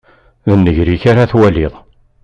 D nnger-ik ara twaliḍ.